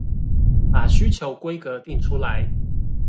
把需求規格訂出來